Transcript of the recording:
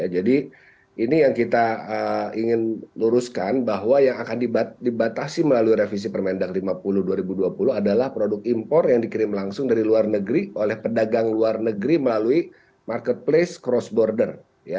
jadi ini yang kita ingin luruskan bahwa yang akan dibatasi melalui revisi permendag lima puluh dua ribu dua puluh adalah produk impor yang dikirim langsung dari luar negeri oleh pedagang luar negeri melalui marketplace cross border